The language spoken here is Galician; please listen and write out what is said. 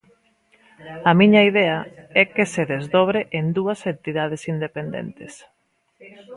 A miña idea é que se desdobre en dúas entidades independentes.